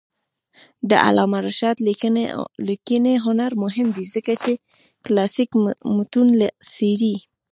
د علامه رشاد لیکنی هنر مهم دی ځکه چې کلاسیک متون څېړي.